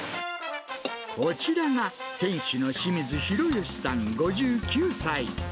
こちらが店主の清水ひろゆきさん５９歳。